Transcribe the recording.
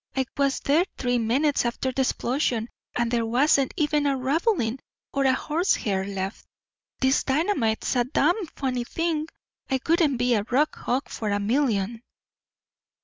"I was there three minutes after the explosion and there wasn't even a ravelling or a horsehair left. This dynamite's a dam' funny thing. I wouldn't be a rock hog for a million!"